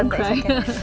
nggak apa apa tante